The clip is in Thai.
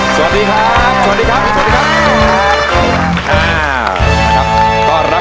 สวัสดีครับสวัสดีครับสวัสดีครับ